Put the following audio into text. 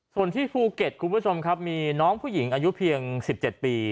ส่วนที่ภูเก็ตคุณผู้ชมครับมีน้องผู้หญิงอายุเพียง๑๗ปี